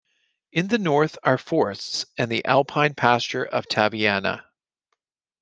In the north are forests and the alpine pasture of Taveyanne.